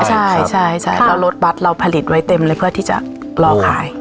ใช่ใช่แล้วรถบัตรเราผลิตไว้เต็มเลยเพื่อที่จะรอขาย